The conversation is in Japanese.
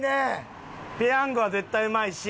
ペヤングは絶対うまいし。